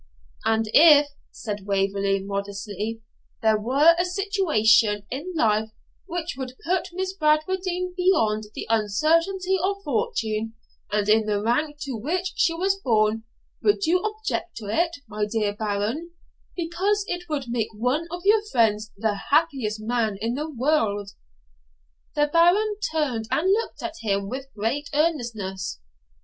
'And if,' said Waverley modestly, 'there were a situation in life which would put Miss Bradwardine beyond the uncertainty of fortune, and in the rank to which she was born, would you object to it, my dear Baron, because it would make one of your friends the happiest man in the world?' The Baron turned and looked at him with great earnestness.